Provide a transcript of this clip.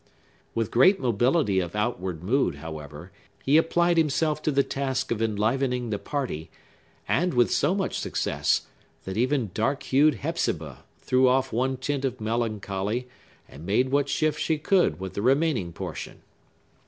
With great mobility of outward mood, however, he applied himself to the task of enlivening the party; and with so much success, that even dark hued Hepzibah threw off one tint of melancholy, and made what shift she could with the remaining portion.